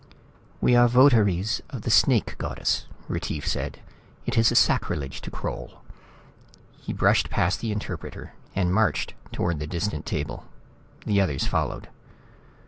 "We are votaries of the Snake Goddess," Retief said. "It is a sacrilege to crawl." He brushed past the interpreter and marched toward the distant table. The others followed.